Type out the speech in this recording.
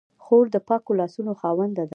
خور د پاکو لاسو خاوندې ده.